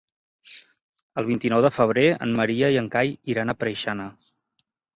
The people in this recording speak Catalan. El vint-i-nou de febrer en Maria i en Cai iran a Preixana.